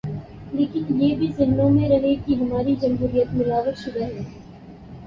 لیکن یہ بھی ذہنوں میں رہے کہ ہماری جمہوریت ملاوٹ شدہ ہے۔